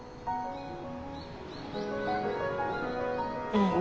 うん。